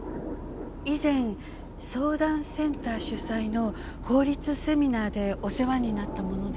以前相談センター主催の法律セミナーでお世話になったもので。